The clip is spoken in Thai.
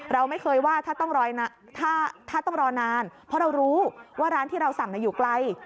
เราไม่เคยว่าถ้าต้องรอนานเพราะเรารู้ว่าร้านที่เราสั่งอยู่ไกล